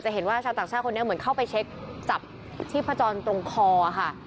เห็นว่าชาวต่างชาติคนนี้เหมือนเข้าไปเช็คจับชีพจรตรงคอค่ะ